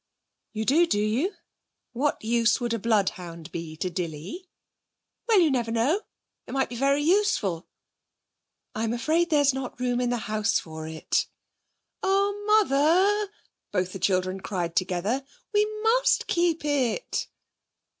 'You do, do you? What use would a bloodhound be to Dilly?' 'Well, you never know. It might be very useful.' 'I'm afraid there's not room in the house for it.' 'Oh, Mother!' both the children cried together. 'We must keep it!'